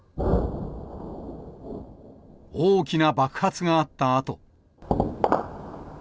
大きな爆発があったあと。